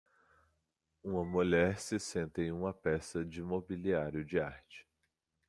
Uma mulher se senta em uma peça de mobiliário de arte.